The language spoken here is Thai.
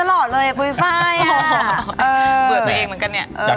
แม่บ้านประจันบัน